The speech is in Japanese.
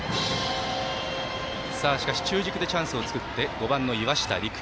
しかし、中軸でチャンスを作って５番の岩下吏玖。